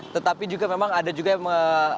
tetapi juga memang ada juga yang